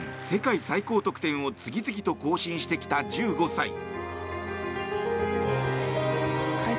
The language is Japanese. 世界最高得点を次々と更新してきた１５歳。